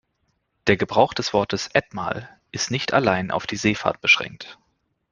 Der Gebrauch des Wortes „Etmal“ ist nicht allein auf die Seefahrt beschränkt.